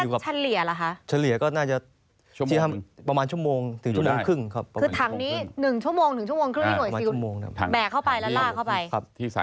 ถ้าเฉลี่ยหรือคะ